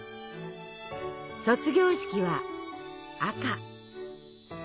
卒業式は赤。